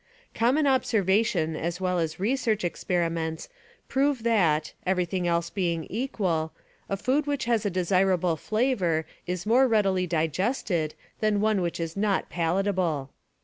Common observation as well as research experiments prove that, everything else being equal, a food which has a desirable flavor is more readily digested than one which is not palatable.